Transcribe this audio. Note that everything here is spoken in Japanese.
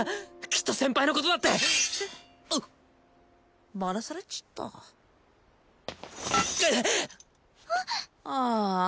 きっと先輩のことだってチェッバラされちったああ